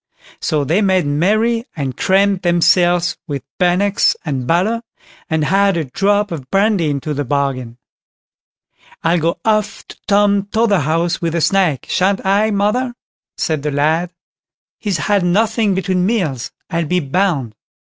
So they made merry, and crammed themselves with bannocks and butter, and had a drop of brandy into the bargain. "I'll go off to Tom Totherhouse with a snack—shan't I, mother?" said the lad. "He's had nothing between meals, I'll be bound."